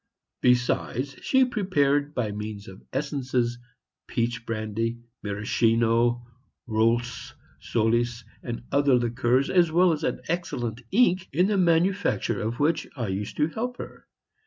Besides, she prepared, by means of essences, peach brandy, maraschino, ros solis, and other liqueurs, as well as an excellent ink, in the manufacture of which I used to help her.